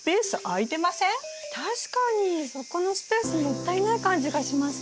確かにそこのスペースもったいない感じがしますね。